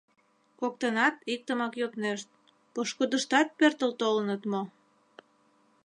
Коктынат иктымак йоднешт: пошкудыштат пӧртыл толыныт мо?